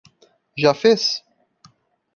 Já fez?